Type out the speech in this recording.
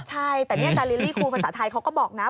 ใช่แต่นี่อาจารย์ลิลลี่ครูภาษาไทยเขาก็บอกนะ